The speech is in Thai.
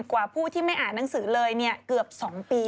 กว่าผู้ที่ไม่อ่านหนังสือเลยเกือบ๒ปี